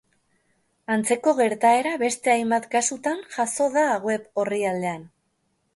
Antzeko gertaera beste hainbat kasutan jazo da web orrialdean.